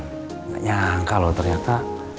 gak nyangka loh ternyata